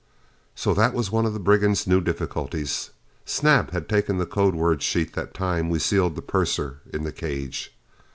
So that was one of the brigands' new difficulties! Snap had taken the code word sheet that time we sealed the purser in the cage.